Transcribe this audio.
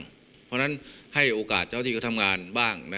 เพราะฉะนั้นให้โอกาสเจ้าที่เขาทำงานบ้าง